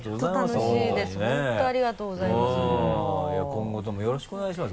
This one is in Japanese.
今後ともよろしくお願いします